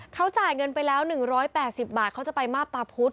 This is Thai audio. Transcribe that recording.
เขาจ่ายเงินไปแล้ว๑๘๐บาทเขาจะไปมาบตาพุธ